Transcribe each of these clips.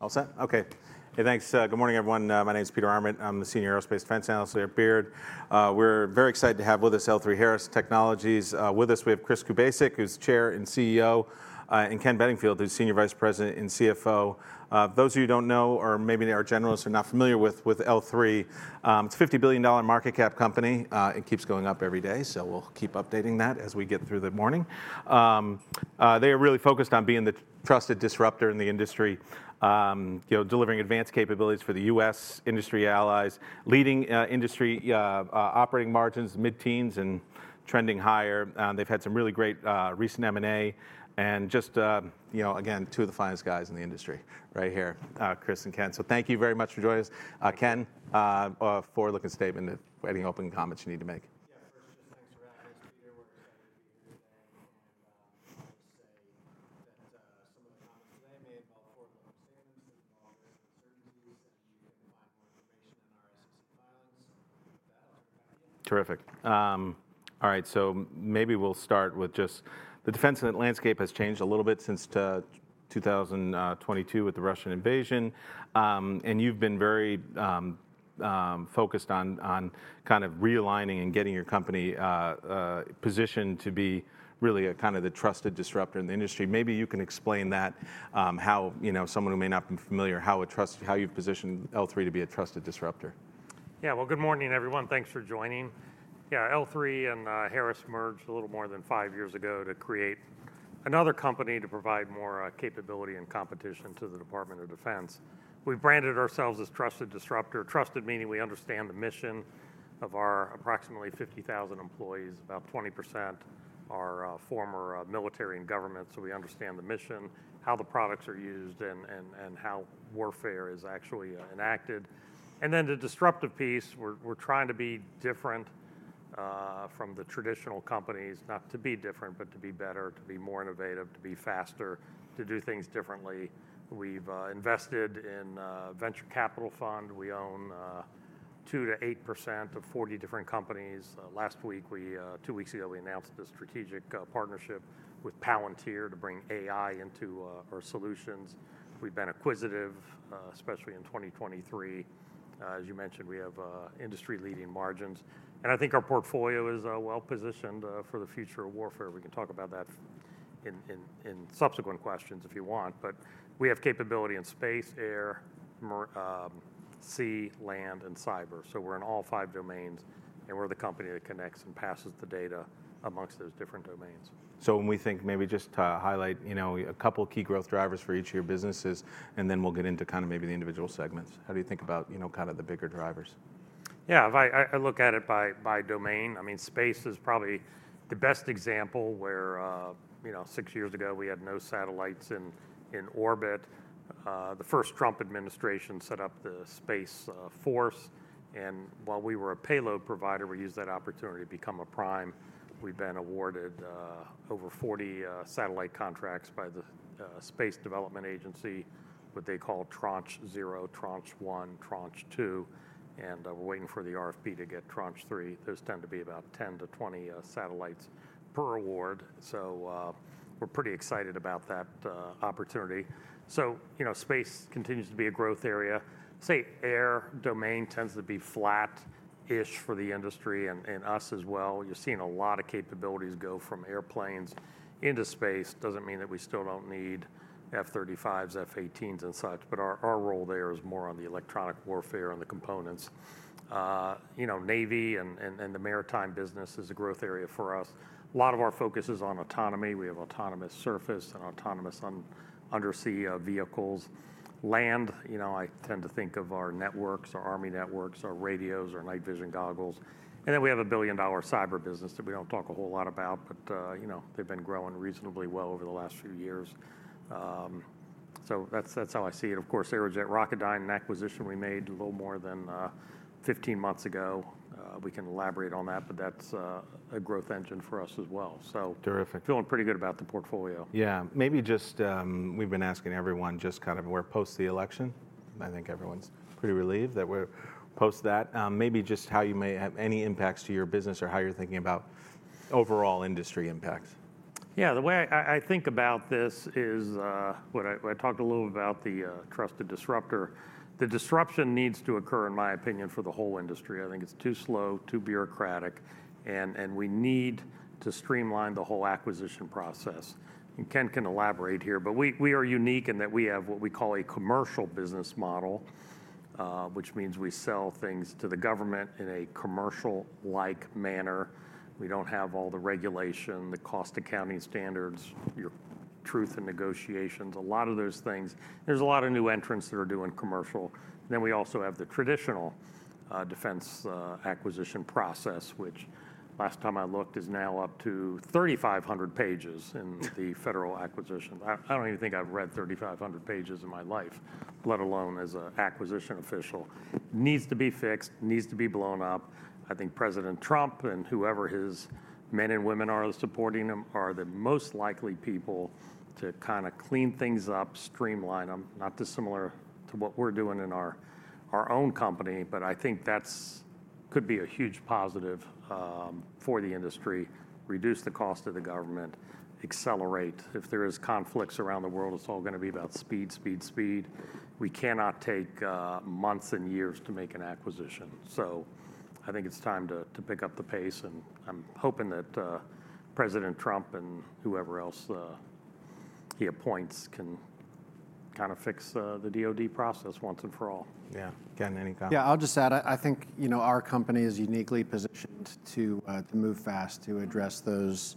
All set? Okay. Hey, thanks. Good morning, everyone. My name is Peter Arment. I'm the Senior Aerospace Defense Analyst here at Baird. We're very excited to have with us L3Harris Technologies. With us, we have Chris Kubasik, who's Chair and CEO, and Ken Bedingfield, who's Senior Vice President and CFO. Those of you who don't know, or maybe are generalists or not familiar with L3, it's a $50 billion market cap company. It keeps going up every day, so we'll keep updating that as we get through the morning. They are really focused on being the Trusted Disruptor in the industry, delivering advanced capabilities for the U.S. industry allies, leading industry operating margins, mid-teens, and trending higher. They've had some really great recent M&A and just, again, two of the finest guys in the industry right here, Chris and Ken. So thank you very much for joining us. Ken, forward-looking statement, any opening comments you need to make? Yeah, first, just thanks for having us, Peter. We're excited to be here today. I'll just say that some of the comments today may involve forward-looking statements with certain uncertainties, and you can find more information in our SEC filings. With that, I'll turn it back to you. Terrific. All right, so maybe we'll start with just the defense landscape has changed a little bit since 2022 with the Russian invasion. You've been very focused on kind of realigning and getting your company positioned to be really kind of the Trusted Disruptor in the industry. Maybe you can explain that, how someone who may not be familiar, how you've positioned L3Harris to be a Trusted Disruptor. Yeah, well, good morning, everyone. Thanks for joining. Yeah, L3 and Harris merged a little more than five years ago to create another company to provide more capability and competition to the Department of Defense. We've branded ourselves as Trusted Disruptor, trusted meaning we understand the mission of our approximately 50,000 employees, about 20% are former military and government. So we understand the mission, how the products are used, and how warfare is actually enacted. And then the disruptive piece, we're trying to be different from the traditional companies, not to be different, but to be better, to be more innovative, to be faster, to do things differently. We've invested in a venture capital fund. We own 2%-8% of 40 different companies. Last week, two weeks ago, we announced a strategic partnership with Palantir to bring AI into our solutions. We've been acquisitive, especially in 2023. As you mentioned, we have industry-leading margins. And I think our portfolio is well-positioned for the future of warfare. We can talk about that in subsequent questions if you want. But we have capability in space, air, sea, land, and cyber. So we're in all five domains, and we're the company that connects and passes the data amongst those different domains. So when we think, maybe just highlight a couple of key growth drivers for each of your businesses, and then we'll get into kind of maybe the individual segments. How do you think about kind of the bigger drivers? Yeah, I look at it by domain. I mean, space is probably the best example where six years ago we had no satellites in orbit. The first Trump administration set up the Space Force, and while we were a payload provider, we used that opportunity to become a prime. We've been awarded over 40 satellite contracts by the Space Development Agency, what they call Tranche 0, Tranche 1, Tranche 2. And we're waiting for the RFP to get Tranche 3. Those tend to be about 10-20 satellites per award. So we're pretty excited about that opportunity. So space continues to be a growth area. Say, air domain tends to be flat-ish for the industry and us as well. You're seeing a lot of capabilities go from airplanes into space. Doesn't mean that we still don't need F-35s, F/A-18s, and such, but our role there is more on the electronic warfare and the components. Navy and the maritime business is a growth area for us. A lot of our focus is on autonomy. We have autonomous surface and autonomous undersea vehicles. Land, I tend to think of our networks, our Army networks, our radios, our night vision goggles. And then we have a $1 billion cyber business that we don't talk a whole lot about, but they've been growing reasonably well over the last few years. So that's how I see it. Of course, Aerojet Rocketdyne, an acquisition we made a little more than 15 months ago. We can elaborate on that, but that's a growth engine for us as well. Terrific. Feeling pretty good about the portfolio. Yeah, maybe just we've been asking everyone just kind of where post the election. I think everyone's pretty relieved that we're post that. Maybe just how you may have any impacts to your business or how you're thinking about overall industry impacts. Yeah, the way I think about this is what I talked a little about the Trusted Disruptor. The disruption needs to occur, in my opinion, for the whole industry. I think it's too slow, too bureaucratic, and we need to streamline the whole acquisition process. And Ken can elaborate here, but we are unique in that we have what we call a commercial business model, which means we sell things to the government in a commercial-like manner. We don't have all the regulation, the Cost Accounting Standards, your Truth in Negotiations, a lot of those things. There's a lot of new entrants that are doing commercial. Then we also have the traditional defense acquisition process, which last time I looked is now up to 3,500 pages in the federal acquisition. I don't even think I've read 3,500 pages in my life, let alone as an acquisition official. Needs to be fixed, needs to be blown up. I think President Trump and whoever his men and women are supporting him are the most likely people to kind of clean things up, streamline them, not dissimilar to what we're doing in our own company. But I think that could be a huge positive for the industry, reduce the cost of the government, accelerate. If there are conflicts around the world, it's all going to be about speed, speed, speed. We cannot take months and years to make an acquisition, so I think it's time to pick up the pace, and I'm hoping that President Trump and whoever else he appoints can kind of fix the DOD process once and for all. Yeah, Ken, any comments? Yeah, I'll just add, I think our company is uniquely positioned to move fast to address those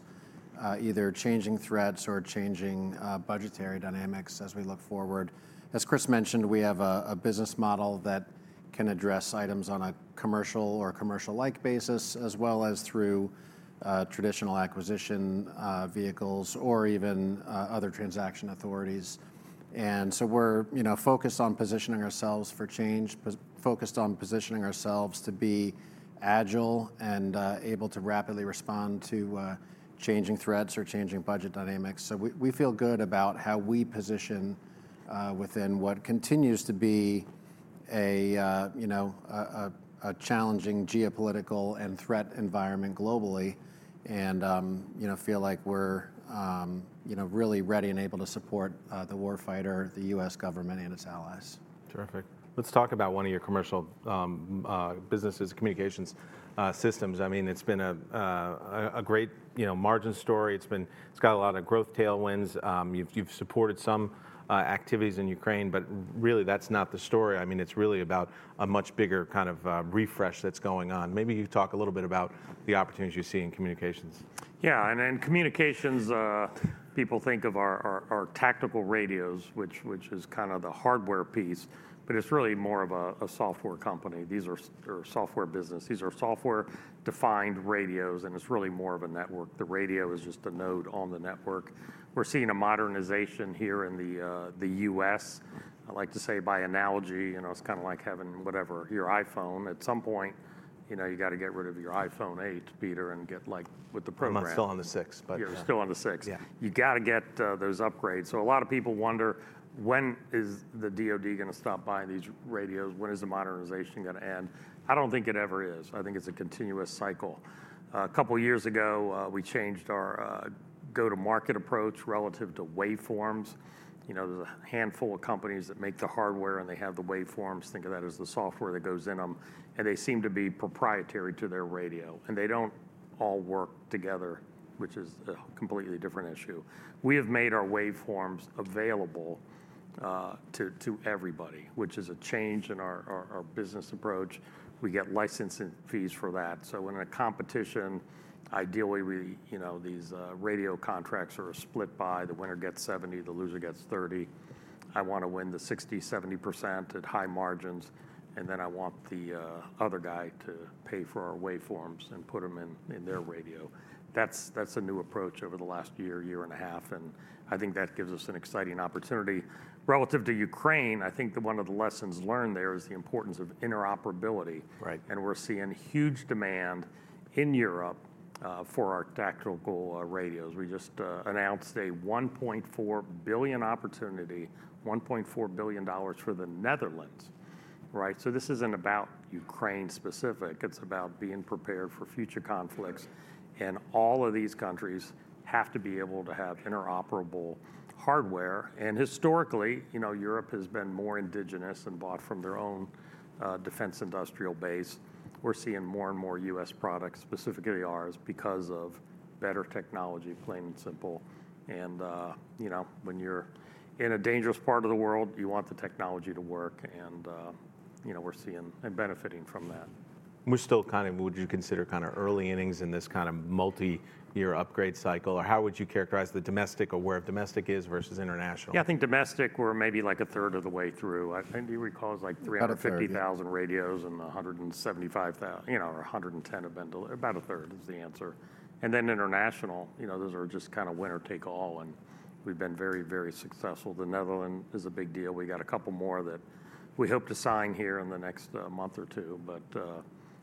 either changing threats or changing budgetary dynamics as we look forward. As Chris mentioned, we have a business model that can address items on a commercial or commercial-like basis, as well as through traditional acquisition vehicles or even other transaction authorities, and so we're focused on positioning ourselves for change, focused on positioning ourselves to be agile and able to rapidly respond to changing threats or changing budget dynamics. We feel good about how we position within what continues to be a challenging geopolitical and threat environment globally and feel like we're really ready and able to support the warfighter, the U.S. government, and its allies. Terrific. Let's talk about one of your commercial businesses, communications systems. I mean, it's been a great margin story. It's got a lot of growth tailwinds. You've supported some activities in Ukraine, but really that's not the story. I mean, it's really about a much bigger kind of refresh that's going on. Maybe you talk a little bit about the opportunities you see in communications. Yeah, and in communications, people think of our tactical radios, which is kind of the hardware piece, but it's really more of a software company. These are software business. These are software-defined radios, and it's really more of a network. The radio is just a node on the network. We're seeing a modernization here in the U.S. I like to say by analogy, it's kind of like having whatever, your iPhone. At some point, you got to get rid of your iPhone 8, Peter, and get like with the program. I'm still on the 6. You're still on the 6. You got to get those upgrades. So a lot of people wonder when is the DOD going to stop buying these radios? When is the modernization going to end? I don't think it ever is. I think it's a continuous cycle. A couple of years ago, we changed our go-to-market approach relative to waveforms. There's a handful of companies that make the hardware, and they have the waveforms. Think of that as the software that goes in them. And they seem to be proprietary to their radio. And they don't all work together, which is a completely different issue. We have made our waveforms available to everybody, which is a change in our business approach. We get licensing fees for that. So in a competition, ideally, these radio contracts are split by the winner gets 70, the loser gets 30. I want to win the 60%-70% at high margins, and then I want the other guy to pay for our waveforms and put them in their radio. That's a new approach over the last year, year and a half. And I think that gives us an exciting opportunity. Relative to Ukraine, I think that one of the lessons learned there is the importance of interoperability. And we're seeing huge demand in Europe for our tactical radios. We just announced a $1.4 billion opportunity, $1.4 billion for the Netherlands. So this isn't about Ukraine-specific. It's about being prepared for future conflicts. And all of these countries have to be able to have interoperable hardware. And historically, Europe has been more indigenous and bought from their own defense industrial base. We're seeing more and more U.S. products, specifically ours, because of better technology, plain and simple. When you're in a dangerous part of the world, you want the technology to work. We're seeing and benefiting from that. We're still kind of. Would you consider kind of early innings in this kind of multi-year upgrade cycle, or how would you characterize the domestic or where domestic is versus international? Yeah, I think domestic, we're maybe like a third of the way through. I think you recall it's like 350,000 radios and 175,000, or 110 have been delivered. About a third is the answer. And then international, those are just kind of winner take all. And we've been very, very successful. The Netherlands is a big deal. We got a couple more that we hope to sign here in the next month or two. But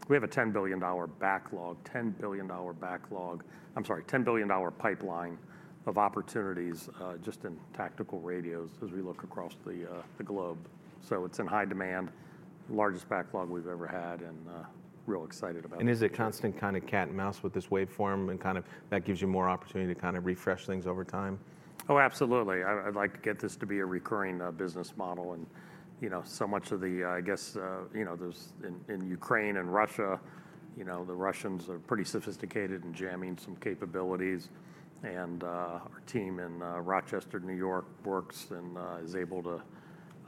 we have a $10 billion backlog, $10 billion backlog. I'm sorry, $10 billion pipeline of opportunities just in tactical radios as we look across the globe. So it's in high demand, largest backlog we've ever had, and real excited about. Is it constant kind of cat and mouse with this waveform, and kind of that gives you more opportunity to kind of refresh things over time? Oh, absolutely. I'd like to get this to be a recurring business model. And so much of the, I guess, in Ukraine and Russia, the Russians are pretty sophisticated and jamming some capabilities. And our team in Rochester, New York, works and is able to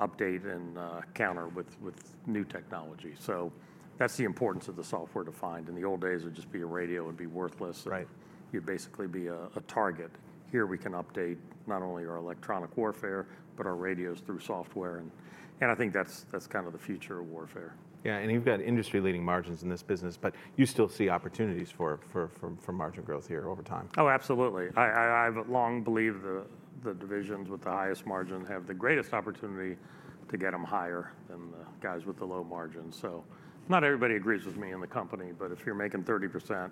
update and counter with new technology. So that's the importance of the software-defined. In the old days, it would just be a radio, it would be worthless. It would basically be a target. Here we can update not only our electronic warfare, but our radios through software. And I think that's kind of the future of warfare. Yeah, and you've got industry-leading margins in this business, but you still see opportunities for margin growth here over time. Oh, absolutely. I've long believed the divisions with the highest margin have the greatest opportunity to get them higher than the guys with the low margin. So not everybody agrees with me in the company, but if you're making 30%,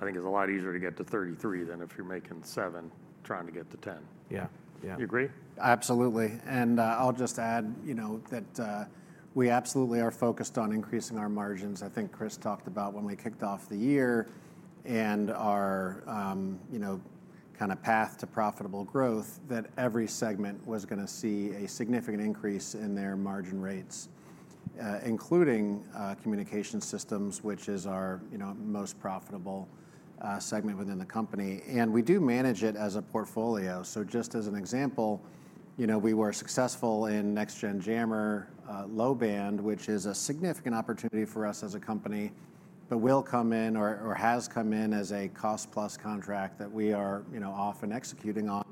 I think it's a lot easier to get to 33% than if you're making 7% trying to get to 10%. Yeah. You agree? Absolutely. And I'll just add that we absolutely are focused on increasing our margins. I think Chris talked about when we kicked off the year and our kind of path to profitable growth, that every segment was going to see a significant increase in their margin rates, including communication systems, which is our most profitable segment within the company. And we do manage it as a portfolio. So just as an example, we were successful in Next Gen Jammer Low Band, which is a significant opportunity for us as a company, but will come in or has come in as a cost-plus contract that we are often executing on.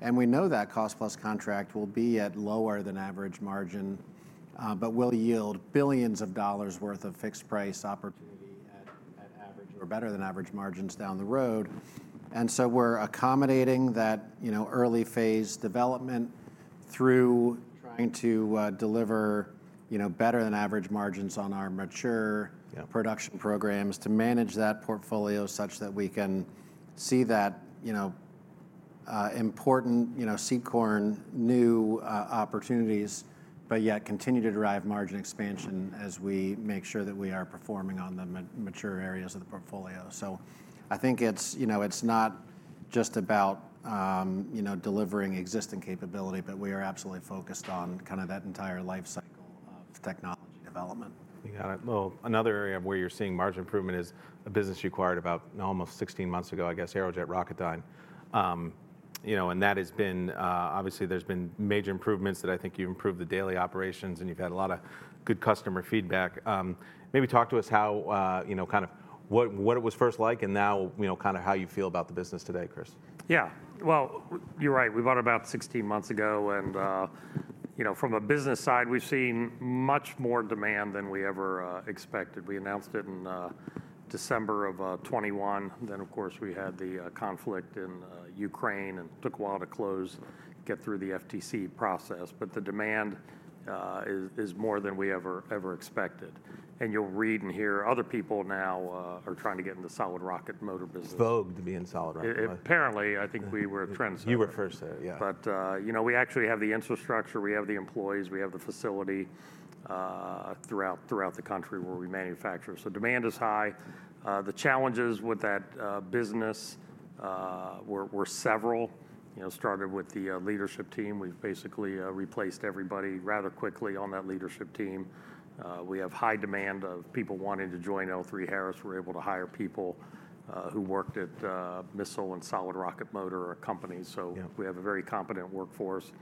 And we know that cost-plus contract will be at lower than average margin, but will yield billions of dollars' worth of fixed price opportunity at average or better than average margins down the road. And so we're accommodating that early phase development through trying to deliver better than average margins on our mature production programs to manage that portfolio such that we can see that important seed corn new opportunities, but yet continue to drive margin expansion as we make sure that we are performing on the mature areas of the portfolio. So I think it's not just about delivering existing capability, but we are absolutely focused on kind of that entire lifecycle of technology development. You got it. Well, another area where you're seeing margin improvement is a business you acquired about almost 16 months ago, I guess, Aerojet Rocketdyne. And that has been, obviously, there's been major improvements that I think you've improved the daily operations, and you've had a lot of good customer feedback. Maybe talk to us how kind of what it was first like and now kind of how you feel about the business today, Chris. Yeah, well, you're right. We bought it about 16 months ago. And from a business side, we've seen much more demand than we ever expected. We announced it in December of 2021. Then, of course, we had the conflict in Ukraine and took a while to close, get through the FTC process. But the demand is more than we ever expected. And you'll read and hear other people now are trying to get into the solid rocket motor business. Vogue to be in solid rockets. Apparently, I think we were trendsetters. You were first there, yeah. but we actually have the infrastructure, we have the employees, we have the facility throughout the country where we manufacture. So demand is high. The challenges with that business were several. Started with the leadership team. We've basically replaced everybody rather quickly on that leadership team. We have high demand of people wanting to join L3Harris. We're able to hire people who worked at missile and solid rocket motor companies. So we have a very competent workforce.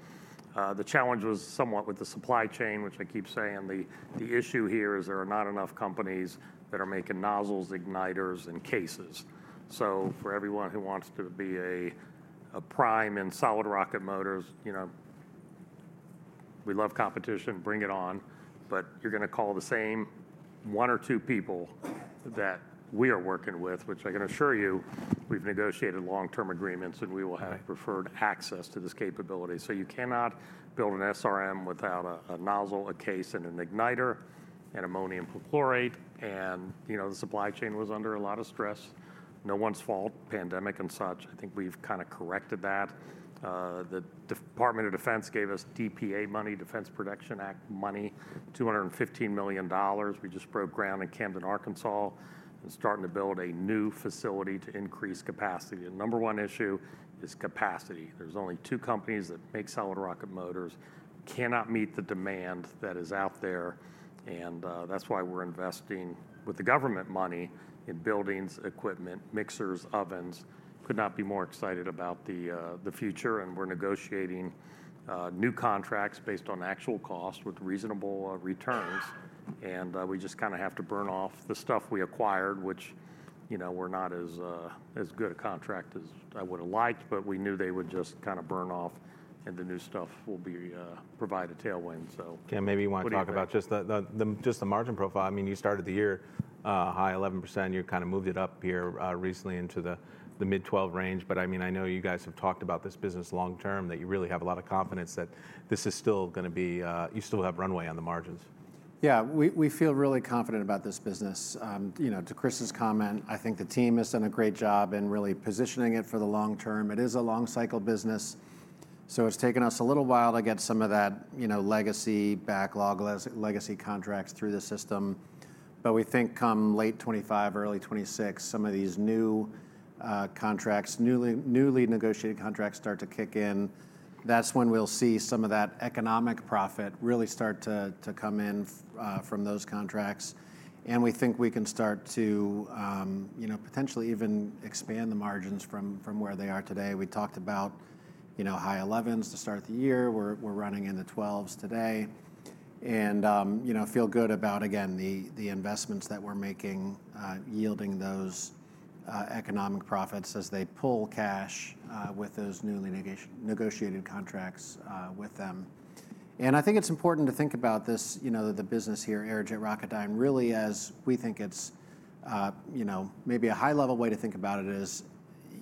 The challenge was somewhat with the supply chain, which I keep saying the issue here is there are not enough companies that are making nozzles, igniters, and cases. So for everyone who wants to be a prime in solid rocket motors, we love competition, bring it on. But you're going to call the same one or two people that we are working with, which I can assure you, we've negotiated long-term agreements and we will have preferred access to this capability. So you cannot build an SRM without a nozzle, a case, and an igniter and ammonium perchlorate. And the supply chain was under a lot of stress. No one's fault, pandemic and such. I think we've kind of corrected that. The Department of Defense gave us DPA money, Defense Production Act money, $215 million. We just broke ground in Camden, Arkansas, and starting to build a new facility to increase capacity. The number one issue is capacity. There's only two companies that make solid rocket motors, cannot meet the demand that is out there. And that's why we're investing with the government money in buildings, equipment, mixers, ovens. Could not be more excited about the future. And we're negotiating new contracts based on actual cost with reasonable returns. And we just kind of have to burn off the stuff we acquired, which are not as good contracts as I would have liked, but we knew they would just kind of burn off and the new stuff will provide a tailwind, so. Yeah, maybe you want to talk about just the margin profile. I mean, you started the year high 11%. You kind of moved it up here recently into the mid-12% range. But I mean, I know you guys have talked about this business long-term that you really have a lot of confidence that this is still going to be. You still have runway on the margins. Yeah, we feel really confident about this business. To Chris's comment, I think the team has done a great job in really positioning it for the long-term. It is a long-cycle business. So it's taken us a little while to get some of that legacy backlog, legacy contracts through the system. But we think come late 2025, early 2026, some of these new contracts, newly negotiated contracts start to kick in. That's when we'll see some of that economic profit really start to come in from those contracts. And we think we can start to potentially even expand the margins from where they are today. We talked about high 11s to start the year. We're running into 12s today. And feel good about, again, the investments that we're making, yielding those economic profits as they pull cash with those newly negotiated contracts with them. And I think it's important to think about this, the business here, Aerojet Rocketdyne, really as we think it's maybe a high-level way to think about it is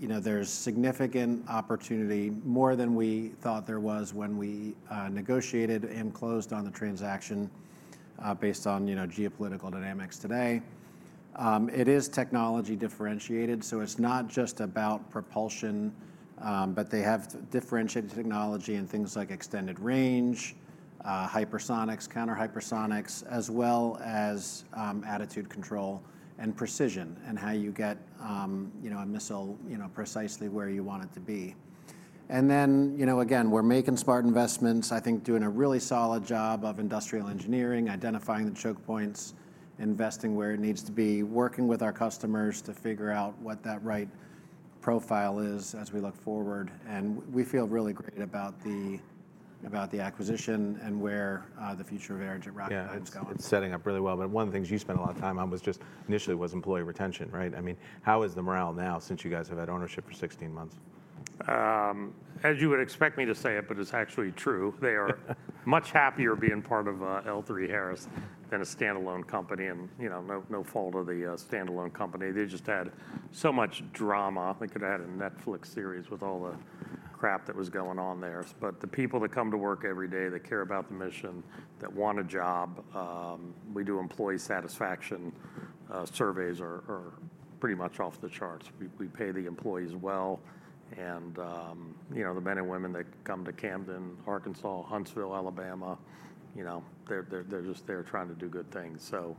there's significant opportunity more than we thought there was when we negotiated and closed on the transaction based on geopolitical dynamics today. It is technology differentiated. So it's not just about propulsion, but they have differentiated technology in things like extended range, hypersonics, counter hypersonics, as well as attitude control and precision and how you get a missile precisely where you want it to be. And then, again, we're making smart investments, I think doing a really solid job of industrial engineering, identifying the choke points, investing where it needs to be, working with our customers to figure out what that right profile is as we look forward. We feel really great about the acquisition and where the future of Aerojet Rocketdyne is going. Yeah, it's setting up really well. But one of the things you spent a lot of time on was just initially employee retention, right? I mean, how is the morale now since you guys have had ownership for 16 months? As you would expect me to say it, but it's actually true. They are much happier being part of L3Harris than a standalone company. And no fault of the standalone company. They just had so much drama. They could have had a Netflix series with all the crap that was going on there. But the people that come to work every day, that care about the mission, that want a job, we do employee satisfaction surveys are pretty much off the charts. We pay the employees well. And the men and women that come to Camden, Arkansas, Huntsville, Alabama, they're just there trying to do good things. So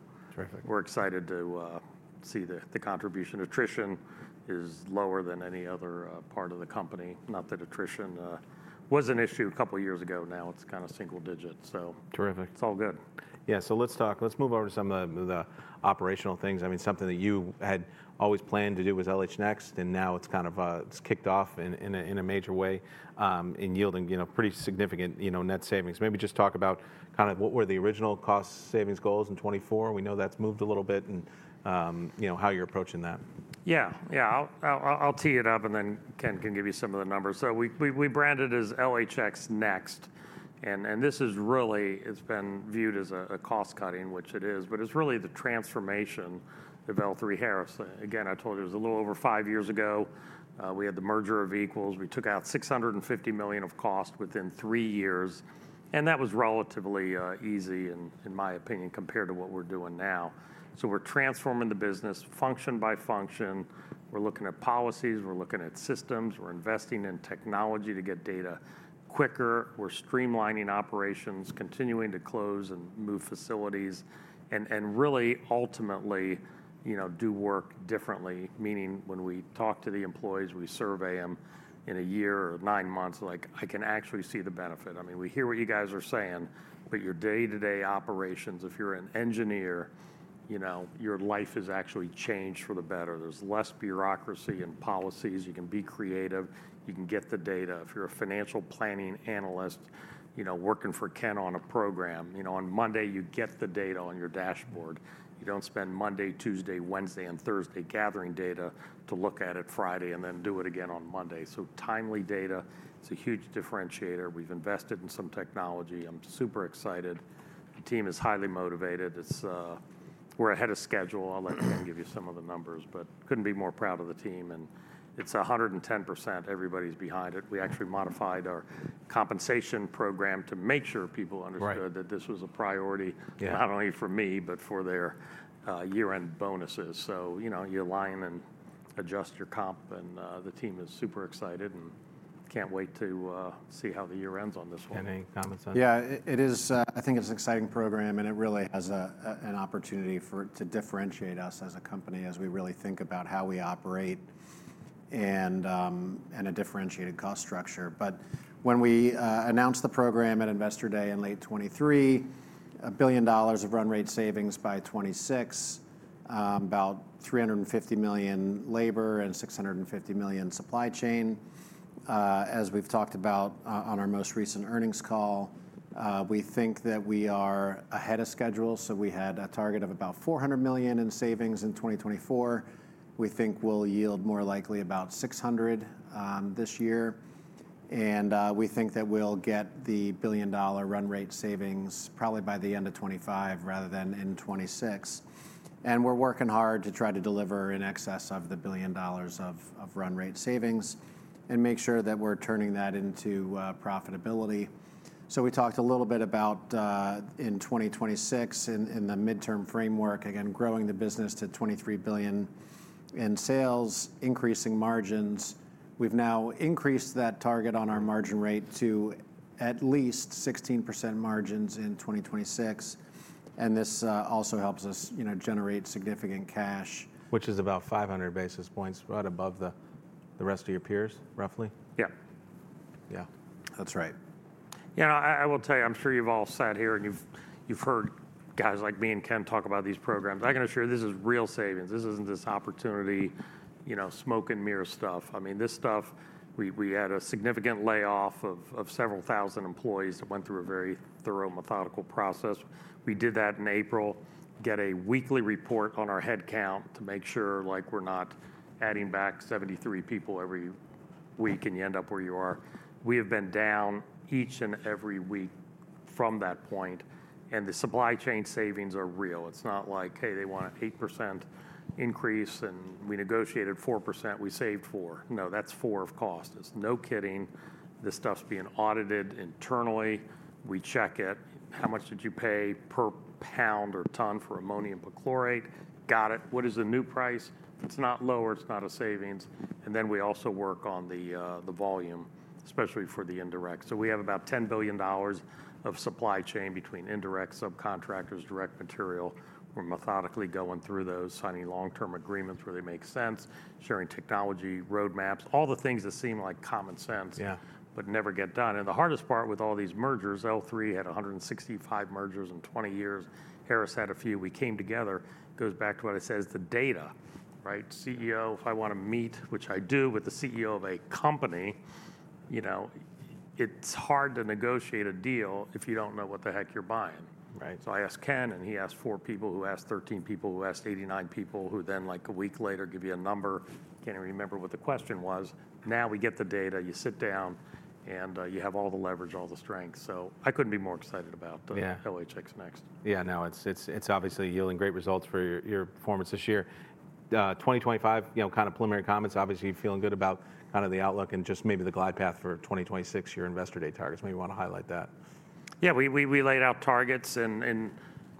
we're excited to see the contribution. Attrition is lower than any other part of the company. Not that attrition was an issue a couple of years ago. Now it's kind of single digits. So it's all good. Yeah, so let's talk. Let's move over to some of the operational things. I mean, something that you had always planned to do was LHX NeXt, and now it's kind of kicked off in a major way in yielding pretty significant net savings. Maybe just talk about kind of what were the original cost savings goals in 2024? We know that's moved a little bit, and how you're approaching that? Yeah, yeah, I'll tee it up and then Ken can give you some of the numbers. So we branded as LHX NeXt. And this has really been viewed as a cost cutting, which it is, but it's really the transformation of L3Harris. Again, I told you it was a little over five years ago. We had the merger of equals. We took out $650 million of cost within three years. And that was relatively easy, in my opinion, compared to what we're doing now. So we're transforming the business function by function. We're looking at policies. We're looking at systems. We're investing in technology to get data quicker. We're streamlining operations, continuing to close and move facilities, and really ultimately do work differently. Meaning when we talk to the employees, we survey them in a year or nine months, like I can actually see the benefit. I mean, we hear what you guys are saying, but your day-to-day operations, if you're an engineer, your life is actually changed for the better. There's less bureaucracy and policies. You can be creative. You can get the data. If you're a financial planning analyst working for Ken on a program, on Monday, you get the data on your dashboard. You don't spend Monday, Tuesday, Wednesday, and Thursday gathering data to look at it Friday and then do it again on Monday. So timely data is a huge differentiator. We've invested in some technology. I'm super excited. The team is highly motivated. We're ahead of schedule. I'll let Ken give you some of the numbers, but couldn't be more proud of the team, and it's 110%. Everybody's behind it. We actually modified our compensation program to make sure people understood that this was a priority not only for me, but for their year-end bonuses. So you align and adjust your comp, and the team is super excited and can't wait to see how the year ends on this one. Ken, comments on that? Yeah, I think it's an exciting program, and it really has an opportunity to differentiate us as a company as we really think about how we operate and a differentiated cost structure. But when we announced the program at Investor Day in late 2023, $1 billion of run rate savings by 2026, about $350 million labor and $650 million supply chain. As we've talked about on our most recent earnings call, we think that we are ahead of schedule. So we had a target of about $400 million in savings in 2024. We think we'll yield more likely about $600 million this year. And we think that we'll get the $1 billion run rate savings probably by the end of 2025 rather than in 2026. We're working hard to try to deliver in excess of $1 billion of run rate savings and make sure that we're turning that into profitability. We talked a little bit about in 2026 in the midterm framework, again, growing the business to $23 billion in sales, increasing margins. We've now increased that target on our margin rate to at least 16% margins in 2026. This also helps us generate significant cash. Which is about 500 basis points right above the rest of your peers, roughly? Yeah. Yeah. That's right. Yeah, and I will tell you, I'm sure you've all sat here and you've heard guys like me and Ken talk about these programs. I can assure you this is real savings. This isn't just opportunity smoke and mirror stuff. I mean, this stuff, we had a significant layoff of several thousand employees that went through a very thorough methodical process. We did that in April. We get a weekly report on our headcount to make sure like we're not adding back 73 people every week and you end up where you are. We have been down each and every week from that point, and the supply chain savings are real. It's not like, hey, they want an 8% increase and we negotiated 4%. We saved 4. No, that's 4 of cost. It's no kidding. This stuff's being audited internally. We check it. How much did you pay per pound or ton for ammonium perchlorate? Got it. What is the new price? It's not lower. It's not a savings. And then we also work on the volume, especially for the indirect. So we have about $10 billion of supply chain between indirect, subcontractors, direct material. We're methodically going through those, signing long-term agreements where they make sense, sharing technology, roadmaps, all the things that seem like common sense, but never get done. And the hardest part with all these mergers, L3 had 165 mergers in 20 years. Harris had a few. We came together. Goes back to what I said is the data, right? CEO, if I want to meet, which I do with the CEO of a company, it's hard to negotiate a deal if you don't know what the heck you're buying. So, I asked Ken, and he asked four people who asked 13 people who asked 89 people who then, like a week later, give you a number. Can't even remember what the question was. Now we get the data. You sit down, and you have all the leverage, all the strength. So, I couldn't be more excited about LHX NeXt. Yeah, no, it's obviously yielding great results for your performance this year. 2025, kind of preliminary comments, obviously you're feeling good about kind of the outlook and just maybe the glide path for 2026, your Investor Day targets. Maybe you want to highlight that. Yeah, we laid out targets in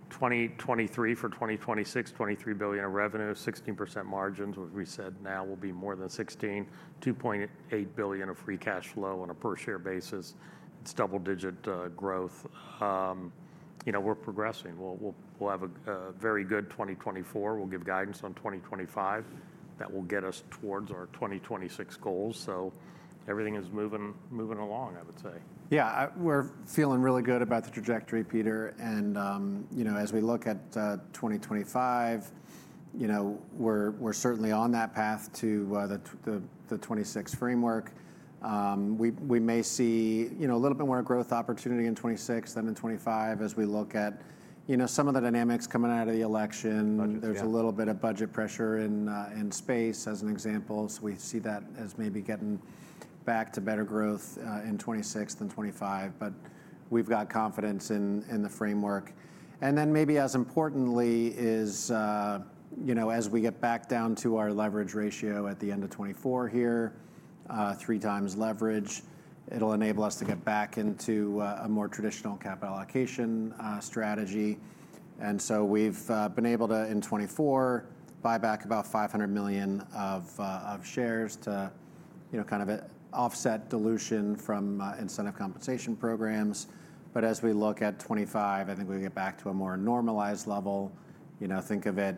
2023 for 2026, $23 billion of revenue, 16% margins. We said now we'll be more than 16%, $2.8 billion of free cash flow on a per-share basis. It's double-digit growth. We're progressing. We'll have a very good 2024. We'll give guidance on 2025 that will get us towards our 2026 goals. So everything is moving along, I would say. Yeah, we're feeling really good about the trajectory, Peter. And as we look at 2025, we're certainly on that path to the 2026 framework. We may see a little bit more growth opportunity in 2026 than in 2025 as we look at some of the dynamics coming out of the election. There's a little bit of budget pressure in space, as an example. So we see that as maybe getting back to better growth in 2026 than 2025. But we've got confidence in the framework. And then maybe as importantly is as we get back down to our leverage ratio at the end of 2024 here, three times leverage, it'll enable us to get back into a more traditional capital allocation strategy. And so we've been able to, in 2024, buy back about $500 million of shares to kind of offset dilution from incentive compensation programs. But as we look at 2025, I think we get back to a more normalized level. Think of it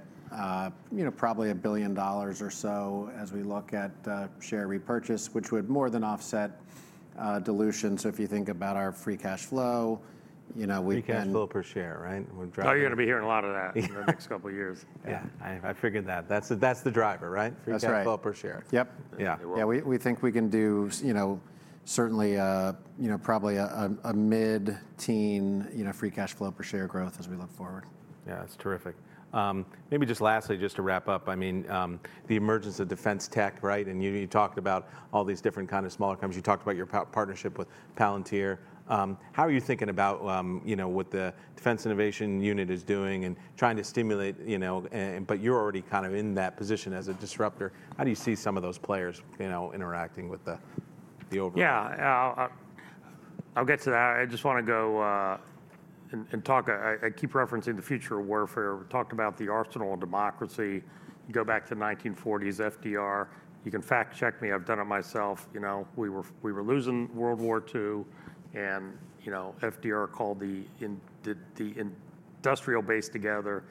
probably $1 billion or so as we look at share repurchase, which would more than offset dilution. So if you think about our free cash flow, we can. free cash flow per share, right? Oh, you're going to be hearing a lot of that in the next couple of years. Yeah, I figured that. That's the driver, right? Free cash flow per share. Yep. Yeah, we think we can do certainly probably a mid-teen free cash flow per share growth as we look forward. Yeah, that's terrific. Maybe just lastly, just to wrap up, I mean, the emergence of defense tech, right? And you talked about all these different kinds of smaller companies. You talked about your partnership with Palantir. How are you thinking about what the Defense Innovation Unit is doing and trying to stimulate? But you're already kind of in that position as a disruptor. How do you see some of those players interacting with the overall? Yeah, I'll get to that. I just want to go and talk. I keep referencing the future of warfare. We talked about the Arsenal of Democracy. You go back to the 1940s, FDR. You can fact-check me. I've done it myself. We were losing World War II, and FDR called the industrial base together.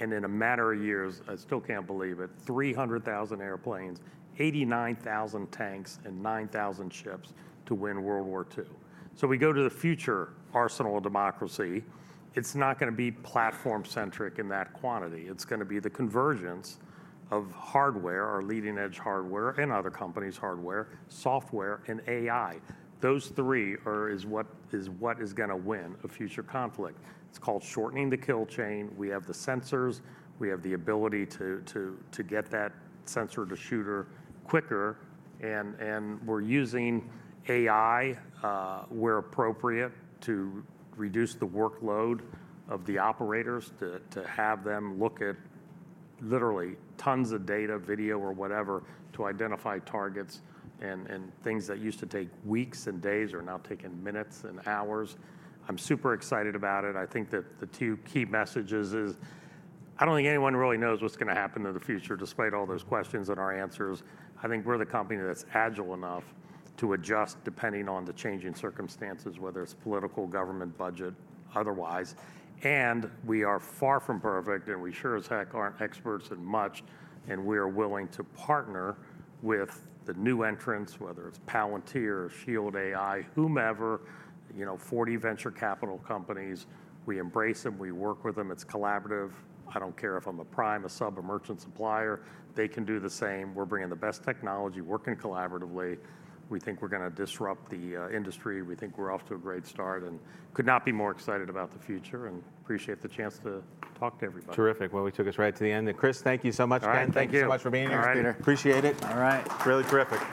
And in a matter of years, I still can't believe it, 300,000 airplanes, 89,000 tanks, and 9,000 ships to win World War II. So we go to the future Arsenal of Democracy. It's not going to be platform-centric in that quantity. It's going to be the convergence of hardware, our leading-edge hardware and other companies' hardware, software, and AI. Those three are what is going to win a future conflict. It's called shortening the kill chain. We have the sensors. We have the ability to get that sensor to shooter quicker. And we're using AI where appropriate to reduce the workload of the operators to have them look at literally tons of data, video, or whatever to identify targets and things that used to take weeks and days are now taking minutes and hours. I'm super excited about it. I think that the two key messages is I don't think anyone really knows what's going to happen in the future despite all those questions and our answers. I think we're the company that's agile enough to adjust depending on the changing circumstances, whether it's political, government, budget, otherwise. And we are far from perfect, and we sure as heck aren't experts in much. And we are willing to partner with the new entrants, whether it's Palantir, Shield AI, whomever, 40 venture capital companies. We embrace them. We work with them. It's collaborative. I don't care if I'm a prime, a sub, a merchant supplier. They can do the same. We're bringing the best technology. We're working collaboratively. We think we're going to disrupt the industry. We think we're off to a great start and could not be more excited about the future and appreciate the chance to talk to everybody. Terrific. Well, we took us right to the end. And Chris, thank you so much. All right. Thank you. Thanks so much for being here, Peter. All right. Appreciate it. All right. It's really terrific.